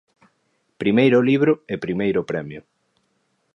Primeiro libro e primeiro premio.